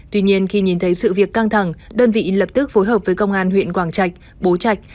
tuy nhiên khi nhìn thấy sự việc căng thẳng đơn vị lập tức phối hợp với công an huyện quảng trạch bố trạch